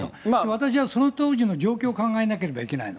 私はその当時の状況を考えなければいけないの。